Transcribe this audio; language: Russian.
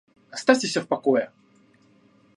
Оставьте всё в покое!